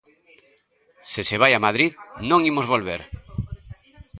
Se se vai a Madrid, non imos volver.